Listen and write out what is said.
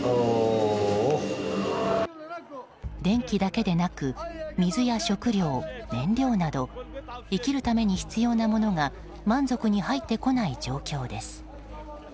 電気だけでなく水や食料、燃料など生きるために必要なものが満足に入ってこない状況です。